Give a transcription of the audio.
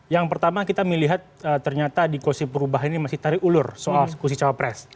yang pertama kita melihat ternyata di kursi perubahan ini masih tarik ulur soal kursi cawapres